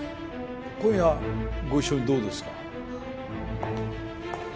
今夜ご一緒にどうですか？